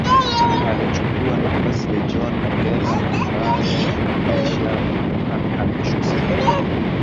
Alichukua nafasi ya John mongella ambaye amehamishiwa Simiyu